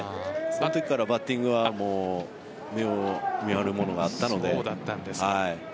そのときからバッティングは目を見張るものがあったので。